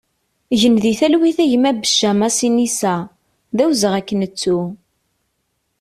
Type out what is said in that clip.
Gen di talwit a gma Becca Masinisa, d awezɣi ad k-nettu!